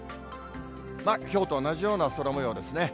きょうと同じような空もようですね。